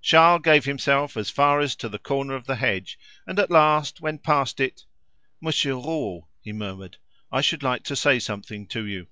Charles gave himself as far as to the corner of the hedge, and at last, when past it "Monsieur Rouault," he murmured, "I should like to say something to you."